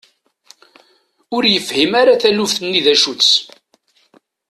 Ur yefhim ara taluft-nni d acu-tt.